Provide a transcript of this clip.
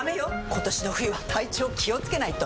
今年の冬は体調気をつけないと！